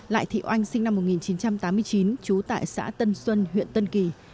lại thị oanh sinh năm một nghìn chín trăm tám mươi chín trú tại xã tân xuân huyện tân kỳ